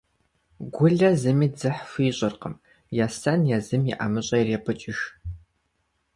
Гулэ зыми дзыхь хуищӀыркъым. Есэн, езым и ӀэмыщӀэ ирепӀыкӀыж.